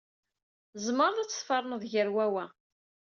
Tzemreḍ ad tferneḍ gar wa wa.